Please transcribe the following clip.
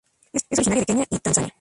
Es originaria de Kenia y Tanzania.